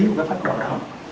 của cái pháp đồ đó